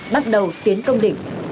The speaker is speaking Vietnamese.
bắt đầu tiến công định